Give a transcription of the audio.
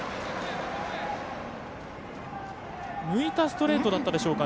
浮いたストレートだったでしょうか。